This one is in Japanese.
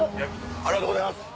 ありがとうございます。